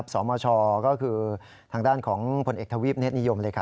สมชก็คือทางด้านของผลเอกทวีปเนธนิยมเลยค่ะ